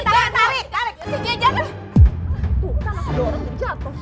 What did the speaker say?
mbak nur mbak nur jatuh kan